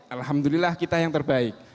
alhamdulillah kita yang terbaik